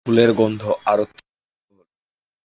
ফুলের গন্ধ আরো তীব্র হলো।